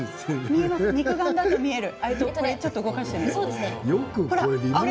肉眼だと見える。